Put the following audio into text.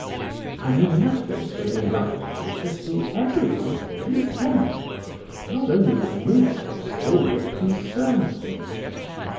I knew nothing so delightful as to see every one content, not only with me, but all that concerned them.